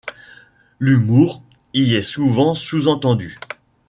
L'humour y est souvent sous-entendu.